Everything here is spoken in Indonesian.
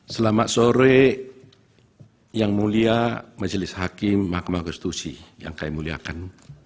selamat sore yang mulia majelis hakim mahkamah konstitusi yang kami muliakan